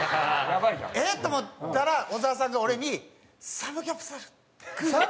えっ？と思ったら小沢さんが俺に「サムギョプサル食う？」。